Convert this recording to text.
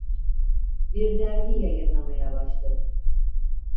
Bir dergi yayınlamaya başladı.